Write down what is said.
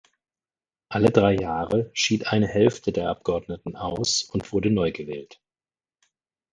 Alle drei Jahre schied eine Hälfte der Abgeordneten aus und wurde neu gewählt.